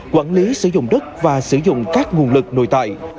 quản lý sử dụng đất và sử dụng các nguồn lực nội tại